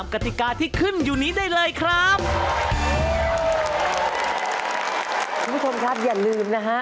คุณผู้ชมครับอย่าลืมนะฮะ